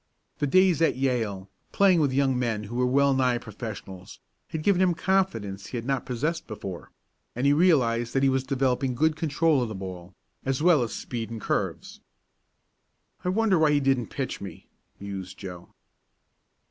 The days at Yale, playing with young men who were well nigh professionals, had given him confidence he had not possessed before, and he realized that he was developing good control of the ball, as well as speed and curves. "I wonder why he didn't pitch me?" mused Joe.